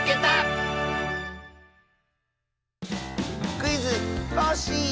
「クイズ！コッシー」！